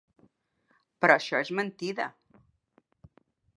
Però això és mentida.